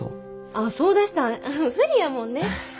ああそうだしたふりやもんね。